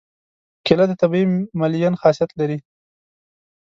کېله د طبیعي ملین خاصیت لري.